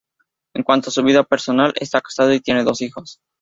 En cuanto a su vida personal, está casado y tiene dos hijos.